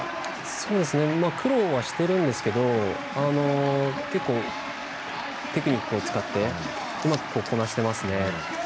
苦労はしてるんですけど結構、テクニックを使ってうまくこなしていますね。